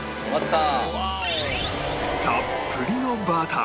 たっぷりのバター